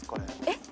えっ？